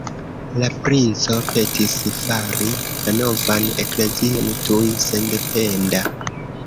La princo petis fari la novan Eklezion tuj sendependa.